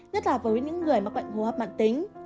nhất là với những người mắc bệnh hô hấp mạng tính